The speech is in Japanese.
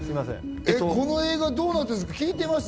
この映画、どうなんですか？